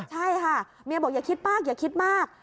ใช่ค่ะเมียบอกอย่าคิดมากอย่าคิดมาก